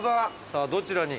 さあどちらに？